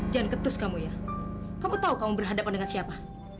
jan ketus kamu ya kamu tahu kamu berhadapan dengan siapa